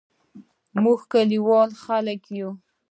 موږ کلیوال خلګ یو